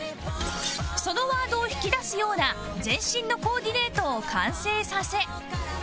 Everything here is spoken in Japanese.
そのワードを引き出すような全身のコーディネートを完成させ